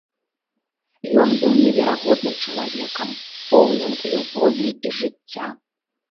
Ён быў неверагодным чалавекам, поўным любові і жыцця.